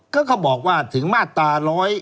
ก็เขาบอกว่าถึงมาตรา๑๑